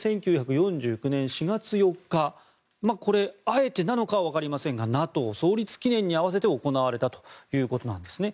１９４９年４月４日あえてなのか分かりませんがＮＡＴＯ創立記念に合わせて行われたということなんですね。